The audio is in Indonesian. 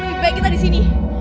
lebih baik kita di sini